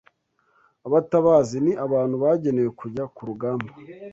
Abatabazi: ni abantu bagenewe kujya ku rugamba